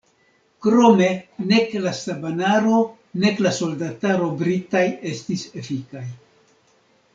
Krome nek la stabanaro nek la soldataro britaj estis efikaj.